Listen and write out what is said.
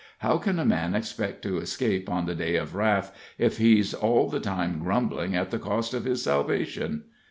How can a man expect to escape on the day of wrath if he's all the time grumbling at the cost of his salvation?